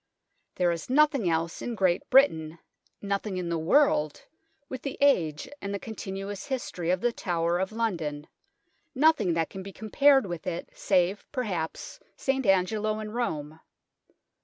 There is nothing else in Great Britain, nothing in the world, with the age and the continuous history of the Tower of London nothing that can be compared with it save, perhaps, St. Angelo in Rome.